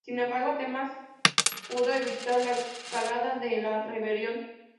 Sin embargo, Atenas pudo evitar la escalada de la rebelión.